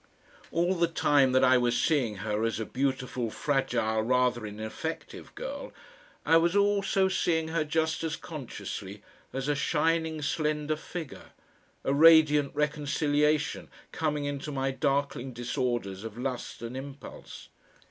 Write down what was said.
All the time that I was seeing her as a beautiful, fragile, rather ineffective girl, I was also seeing her just as consciously as a shining slender figure, a radiant reconciliation, coming into my darkling disorders of lust and impulse.